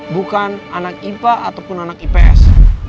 bukan anak ipa ataupun anak ips